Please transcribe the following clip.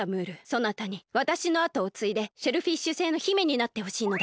そなたにわたしのあとをついでシェルフィッシュ星の姫になってほしいのだ。